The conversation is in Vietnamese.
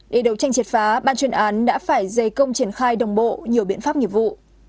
để đấu tranh triệt phá ban chuyên án đã phải dày công triển khai đồng bộ nhiều biện pháp nghiệp vụ